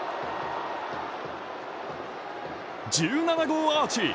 １７号アーチ！